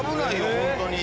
本当に。